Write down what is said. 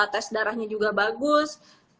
tes darahnya juga bagus